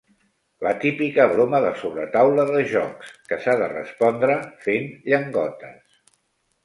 La típica broma de sobretaula de jocs, que s'ha de respondre fent llengotes.